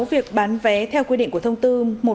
việc bán vé theo quy định của thông tư